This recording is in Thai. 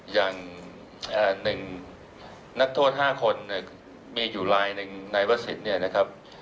อย่างหนึ่งนักโทษ๕คนมีอยู่รายหนึ่งในวัศดนี่นะครับ